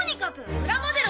プラモデル？